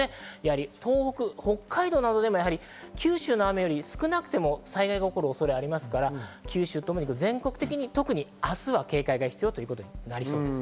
東北、北海道などでも九州の雨より少なくても災害が起こる恐れがあるので、全国的に特に明日は警戒が必要です。